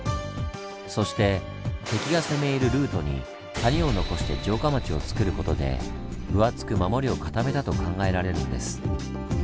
そして敵が攻め入るルートに谷を残して城下町をつくることで分厚く守りを固めたと考えられるんです。